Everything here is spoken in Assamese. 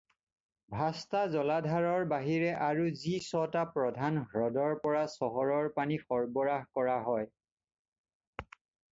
ভাস্তা জলাধাৰৰ বাহিৰে আৰু যি ছটা প্ৰধান হ্ৰদৰ পৰা চহৰৰ পানী সৰবৰাহ কৰা হয়।